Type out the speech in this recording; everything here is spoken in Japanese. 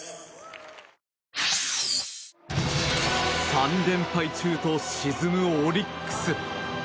３連敗中と沈むオリックス。